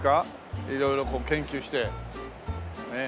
色々こう研究してねえ。